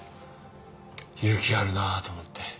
勇気あるなあと思って。